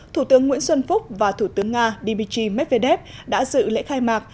thủ tướng nguyễn xuân phúc và thủ tướng nga dmitry medvedev đã dự lễ khai mạc